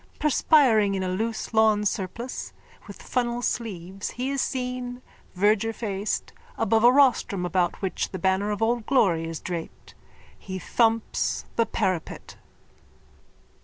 Perspiring in a loose lawn surplice with funnel sleeves he is seen, vergerfaced, above a rostrum about which the banner of old glory is draped. He thumps the parapet.)